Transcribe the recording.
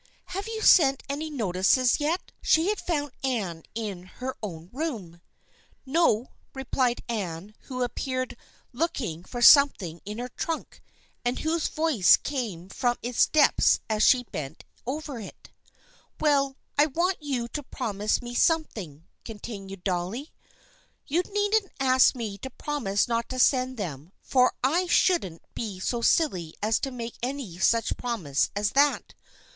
" Have you sent any notices yet?" she asked. She had found Anne in their own room. " No," replied Anne, who appeared to be look 260 THE FEIENDSHIP OF ANNE 261 ing for something in her trunk, and whose voice came from its depths as she bent over it. " Well, I want you to promise me something," continued Dolly. " You needn't ask me to promise not to send them, for . I shouldn't be so silly as to make any such promise as that.